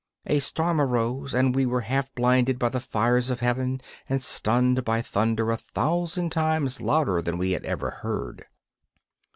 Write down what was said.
A storm arose, and we were half blinded by the fires of heaven and stunned by thunder a thousand times louder than we had ever heard.